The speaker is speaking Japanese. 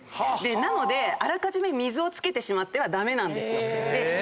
なのであらかじめ水をつけてしまっては駄目なんですよ。